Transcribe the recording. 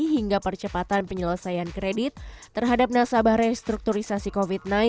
hingga percepatan penyelesaian kredit terhadap nasabah restrukturisasi covid sembilan belas